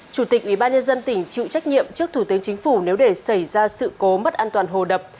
chủ tịch ubnd tỉnh chịu trách nhiệm trước thủ tướng chính phủ nếu để xảy ra sự cố mất an toàn hồ đập